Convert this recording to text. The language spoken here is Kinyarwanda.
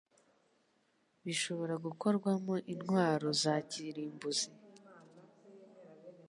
bishobora gukorwamo intwaro za kirimbuzi;